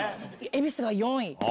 恵比寿が４位。